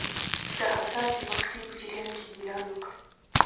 د حساسې مقطعې په جریان کې میلان وکړي.